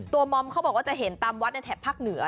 ตัวมอมเค้าบอกจะเห็นตรงวัดในแถบภากเหนือ